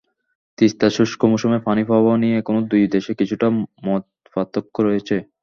তিস্তায় শুষ্ক মৌসুমে পানিপ্রবাহ নিয়ে এখনো দুই দেশে কিছুটা মতপার্থক্য রয়েছে।